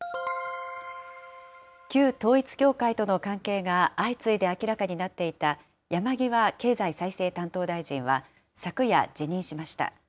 旧統一教会との関係が相次いで明らかになっていた山際経済再生担当大臣は、昨夜、辞任しました。